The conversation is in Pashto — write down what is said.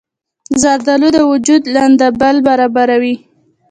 زردالو د وجود لندبل برابروي.